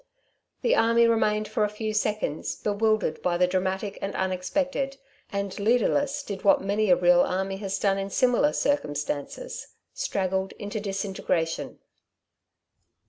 The army remained for a few seconds bewildered by the dramatic and unexpected, and, leaderless, did what many a real army has done in similar circumstances, straggled into disintegration.